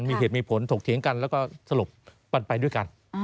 มีเหตุมีผลถกเถียงกันแล้วก็สรุปมันไปด้วยกัน